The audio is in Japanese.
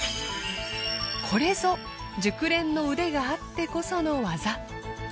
これぞ熟練の腕があってこその技。